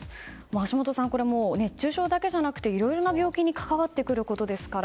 橋下さん、熱中症だけじゃなくいろんな病気に関わってくることですから。